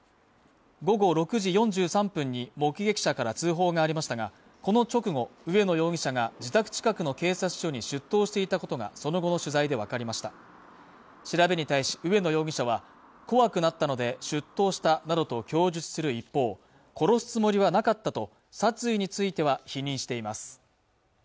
午後６時４３分に目撃者から通報がありましたがこの直後上野容疑者が自宅近くの警察署に出頭していたことがその後の取材で分かりました調べに対し上野容疑者は怖くなったので出頭したなどと供述する一方殺すつもりはなかったと殺意については否認しています